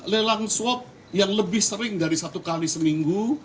lelang swab yang lebih sering dari satu kali seminggu